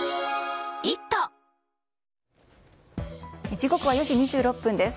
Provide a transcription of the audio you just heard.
時刻は４時２６分です。